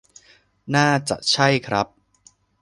น่าจะใช่ครับ